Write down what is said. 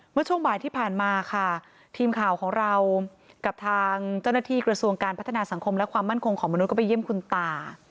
เมื่อช่วงบ่ายที่ผ่านมาค่ะทีมข่าวของเรากับทางเจ้าหน้าที่กระทรวงการพัฒนาสังคมและความมั่นคงของมนุษย์ไปเยี่ยมคุณตา